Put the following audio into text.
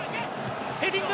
ヘディング！